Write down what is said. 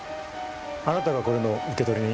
あなたがこれの受取人？